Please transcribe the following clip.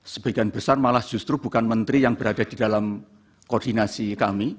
sebagian besar malah justru bukan menteri yang berada di dalam koordinasi kami